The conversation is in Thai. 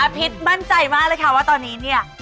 อภิษมั่นใจมากเลยค่ะว่าตอนนี้